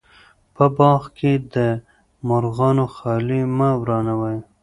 په باغ کې د مرغانو ځالې مه ورانوئ.